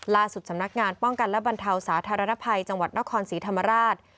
สำนักงานป้องกันและบรรเทาสาธารณภัยจังหวัดนครศรีธรรมราช